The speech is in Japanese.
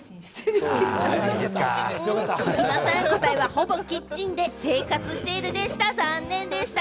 児嶋さん、答えは、ほぼキッチンで生活しているでした。